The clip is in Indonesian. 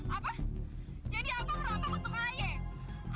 apa jadi abang rampak untuk ayah